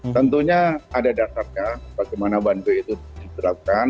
tentunya ada dasarnya bagaimana one way itu diterapkan